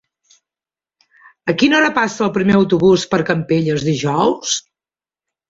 A quina hora passa el primer autobús per Campelles dijous?